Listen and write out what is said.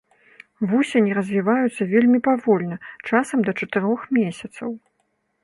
Вусені развіваюцца вельмі павольна, часам да чатырох месяцаў.